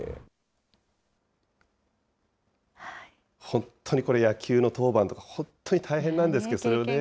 本当にこれ、野球の当番とか、本当に大変なんですけど、それをね。